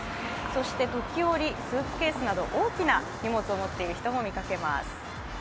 そして時折、スーツケースなど大きな荷物を持っている人も見かけます。